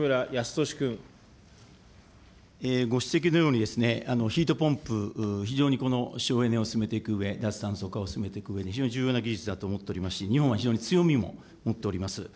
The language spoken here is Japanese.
ご指摘のように、ヒートポンプ、非常に省エネを進めていくうえ、脱炭素化を進めていくうえで非常に重要な技術だと思っておりますし、日本は非常に強みも持っております。